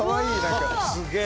すげえ。